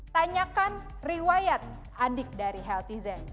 tanyakan riwayat adik dari healthy zen